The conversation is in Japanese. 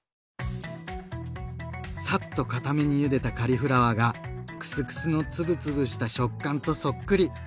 サッとかためにゆでたカリフラワーがクスクスの粒々した食感とそっくり。